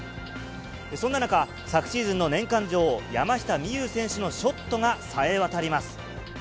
そんな中、昨シーズンの年間女王、山下美夢有選手のショットがさえわたります。